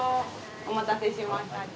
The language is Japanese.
お待たせしました。